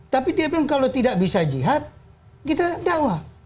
tapi dia bilang kalau tidak bisa jihad kita dakwah